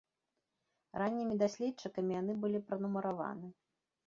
Раннімі даследчыкамі яны былі пранумараваны.